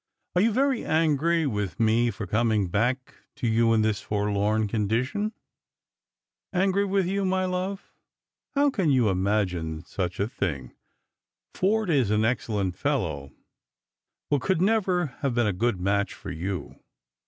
Are you very angry with me for coming back to you in this forlorn condition ?"" Angry with you, my love ! How can you imagine such a thing ! Forde is an excellent fellow, but could never have been a good match for you.